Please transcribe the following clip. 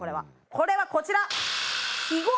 これはこちら。